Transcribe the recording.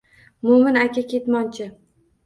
Mo‘min aka – ketmonchi.